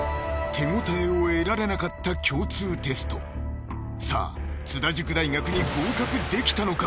手応えを得られなかった共通テストさあ津田塾大学に合格できたのか？